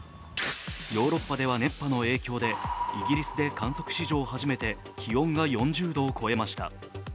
ヨーロッパでは熱波の影響でイギリスで観測史上初めて気温が４０度を超えました。